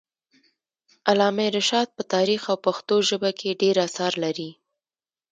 علامه رشاد په تاریخ او پښتو ژبه کي ډير اثار لري.